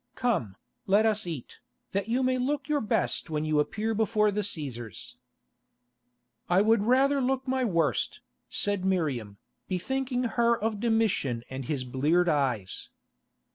Come, let us eat, that you may look your best when you appear before the Cæsars." "I would rather look my worst," said Miriam, bethinking her of Domitian and his bleared eyes.